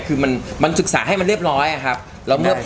คือมันศึกษาให้มันเรียบร้อย